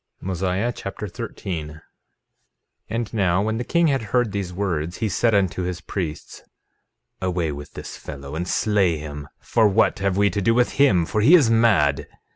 Mosiah Chapter 13 13:1 And now when the king had heard these words, he said unto his priests: Away with this fellow, and slay him; for what have we to do with him, for he is mad.